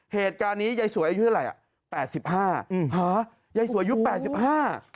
เหตุการณ์นี้ยายสวยอายุอะไรแปดสิบห้ายายสวยอายุแปดสิบห้า